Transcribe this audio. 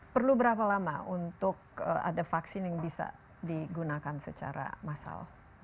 perlu berapa lama untuk ada vaksin yang bisa digunakan secara massal